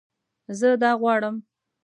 زه دا غواړم